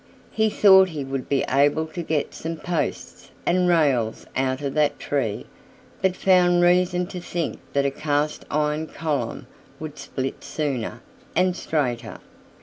He thought he would be able to get some posts and rails out of that tree, but found reason to think that a cast iron column would split sooner and straighter.